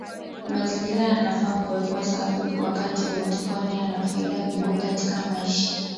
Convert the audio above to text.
Mazingira yanafaa kuwekwa safi wakati wote kwani yana faida kubwa katika maisha